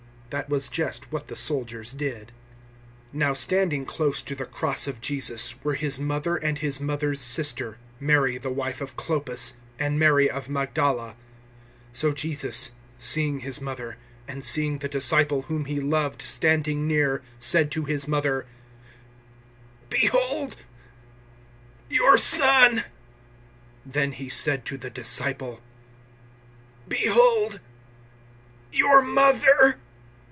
That was just what the soldiers did. 019:025 Now standing close to the cross of Jesus were His mother and His mother's sister, Mary the wife of Clopas, and Mary of Magdala. 019:026 So Jesus, seeing His mother, and seeing the disciple whom He loved standing near, said to His mother, "Behold, your son!" 019:027 Then He said to the disciple, "Behold, your mother!"